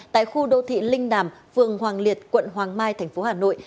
tại khu đô thị linh đàm vườn hoàng liệt quận hoàng mai tp hà nội